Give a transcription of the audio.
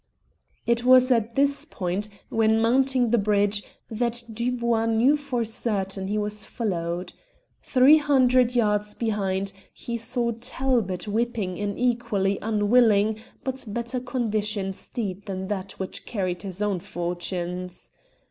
It was at this point, when mounting the bridge, that Dubois knew for certain he was followed. Three hundred yards behind, he saw Talbot whipping an equally unwilling, but better conditioned steed than that which carried his own fortunes.